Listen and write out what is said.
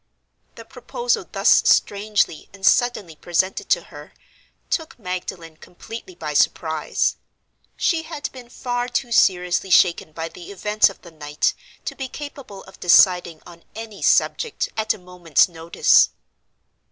The proposal thus strangely and suddenly presented to her took Magdalen completely by surprise. She had been far too seriously shaken by the events of the night to be capable of deciding on any subject at a moment's notice.